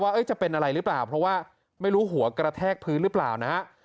จะเป็นอะไรหรือเปล่าเพราะว่าไม่รู้หัวกระแทกพื้นหรือเปล่านะฮะ